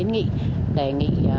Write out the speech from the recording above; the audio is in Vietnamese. đề nghị đề nghị